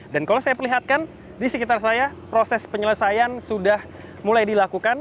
dan kalau saya perlihatkan di sekitar saya proses penyelesaian sudah mulai dilakukan